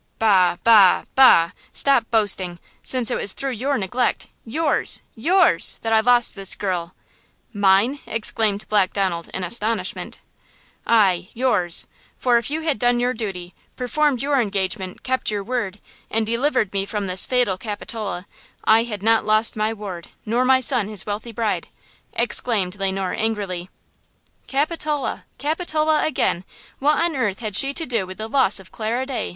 "Bah! bah! bah! Stop boasting, since it was through your neglect–yours! yours! that I lost this girl!" "Mine!" exclaimed Black Donald, in astonishment. "Aye, yours! For if you had done your duty, performed your engagement, kept your word, and delivered me from this fatal Capitola, I had not lost my ward, nor my son his wealthy bride!" exclaimed Le Noir, angrily. "Capitola! Capitola again! What on earth had she to do with the loss of Clara Day?"